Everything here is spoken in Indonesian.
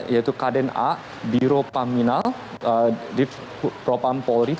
yaitu kaden a biro paminan dief propam polri